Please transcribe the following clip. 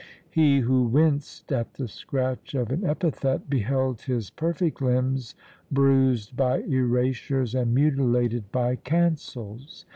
He who winced at the scratch of an epithet, beheld his perfect limbs bruised by erasures and mutilated by cancels.